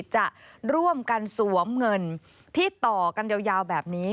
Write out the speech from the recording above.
จะร่วมกันสวมเงินที่ต่อกันยาวแบบนี้